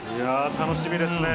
楽しみですね。